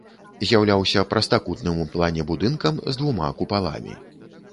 З'яўляўся прастакутным у плане будынкам з двума купаламі.